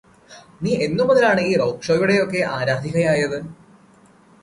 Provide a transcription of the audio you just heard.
നീ എന്നുമുതലാണ് ഈ റോക്ക്ഷോയുടെയൊക്കെ ആരാധികയായത്